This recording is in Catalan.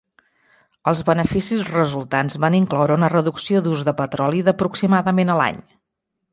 Els beneficis resultants van incloure una reducció d'ús de petroli d'aproximadament a l'any.